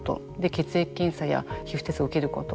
血液検査や皮膚テストを受けること。